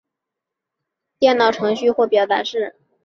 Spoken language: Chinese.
单行小程式是不多于一行的电脑程序或表达式。